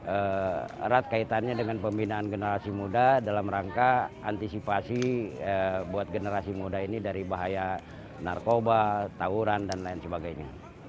erat kaitannya dengan pembinaan generasi muda dalam rangka antisipasi buat generasi muda ini dari bahaya narkoba tawuran dan lain sebagainya